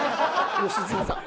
良純さん